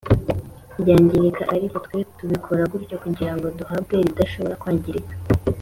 Ryangirika ariko twe tubikora dutyo kugira ngo duhabwe iridashobora kwangirika